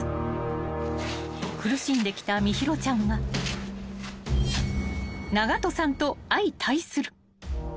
［苦しんできた心優ちゃんが長門さんと相対する］